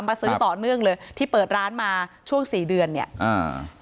มาซื้อต่อเนื่องเลยที่เปิดร้านมาช่วงสี่เดือนเนี้ยอ่า